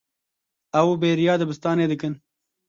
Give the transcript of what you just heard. Ew bêriya dibistanê dikin.